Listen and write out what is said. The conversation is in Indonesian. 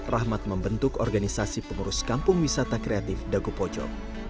rahmat membentuk organisasi pengurus kampung wisata kreatif dagopojo